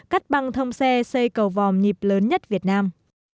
cắt băng thông xe xây cầu vòm nhịp lớn nhất việt nam